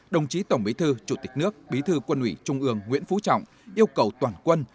đồng chí tổng bí thư chủ tịch nước bí thư quân ủy trung ương nguyễn phú trọng yêu cầu toàn quân